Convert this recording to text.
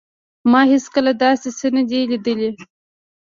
ما هیڅکله داسې څه نه دي لیدلي